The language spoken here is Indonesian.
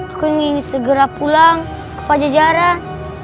aku ingin segera pulang ke pajajaran